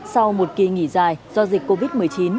sau một kỳ nghỉ dài do dịch covid một mươi chín